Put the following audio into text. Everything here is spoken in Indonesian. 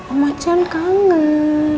om acan kangen